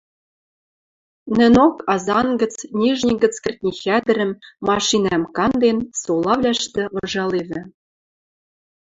Нӹнок, Азан гӹц, Нижний гӹц кӹртни хӓдӹрӹм, машинӓм канден, солавлӓштӹ выжалевӹ.